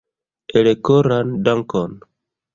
Elkoran dankon